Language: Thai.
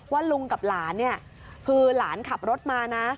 ว่าลุงกับหลานเนี่ยคือหลานขับรถมานะ